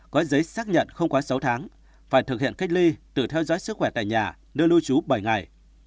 có giấy xác nhận không quá sáu tháng phải thực hiện cách ly tự theo dõi sức khỏe tại nhà nơi lưu trú bảy ngày